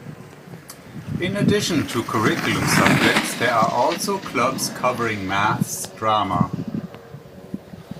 In addition to curriculum subjects, there are also clubs covering Maths, Drama.